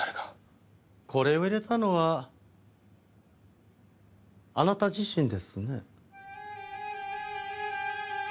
これを入れたのはあなた自身ですね。